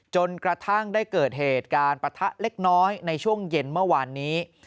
จนกระทั่งได้เกิดเหตุการณ์ปะทะเล็กน้อยในช่วงเย็นเมื่อวานนี้